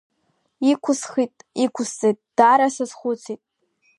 Иқәысхит-иқәысҵеит, даара сазхәыцит.